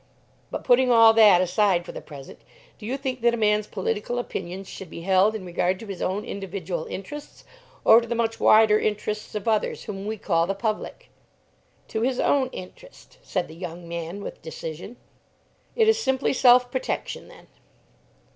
But, putting all that aside for the present, do you think that a man's political opinions should be held in regard to his own individual interests, or to the much wider interests of others, whom we call the public?" "To his own interest," said the young man with decision. "It is simply self protection then?"